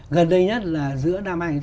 gần đây nhất là giữa năm hai nghìn hai mươi ba